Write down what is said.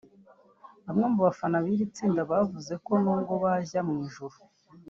Bamwe mu bafana b'iri tsinda bavuze ko n'ubwo bajya mu ijuru